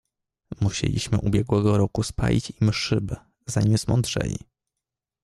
"Musieliśmy ubiegłego roku spalić im szyb, zanim zmądrzeli."